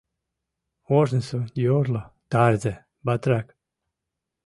Ожнысо йорло, тарзе, батрак